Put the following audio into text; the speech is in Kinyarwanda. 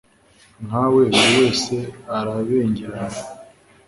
Nkawe buri wese arabengerana